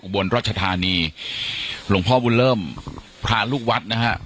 บนรัชธานีหลวงพ่อบุญเริ่มพระลูกวัดนะฮะ